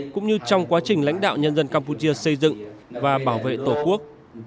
cũng như trong quá trình lãnh đạo nhân dân campuchia xây dựng và bảo vệ tổ quốc